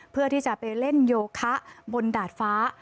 เพื่อที่จะไปเล่นโยคะบนดาดฟ้า